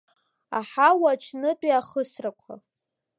Аҳауа аҽнытәи ахысрақәа…